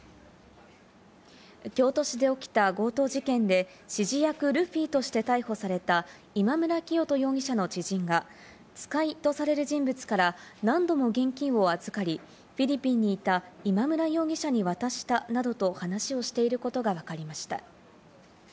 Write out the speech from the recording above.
京都市で起きた強盗事件で、指示役ルフィとして逮捕された今村磨人容疑者の知人が「使い」とされる人物から何度も現金を預かり、フィリピンにいた今村容疑者に渡したなどと話をしていることがわかりました。